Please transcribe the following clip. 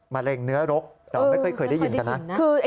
มะเร็งเนื้อรกเราไม่ค่อยเคยได้ยินกันนะ